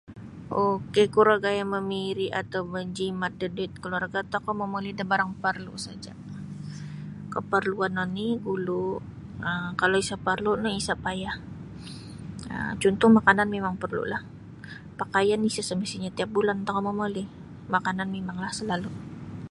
Ok kuro gaya' mamiri' atau manjimat da duit kaluarga' tokou momoli da barang parlu' saja' kaparluan oni' gulu' um kalau isa' parlu' no isa payah um cuntuh makanan mimang porlu' lah pakaian isa' semestinyo tiap bulan tokou momoli makanan mimanglah salalu'.